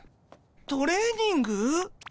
トレーニング？